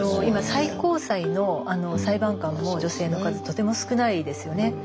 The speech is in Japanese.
今最高裁の裁判官も女性の数とても少ないですよね。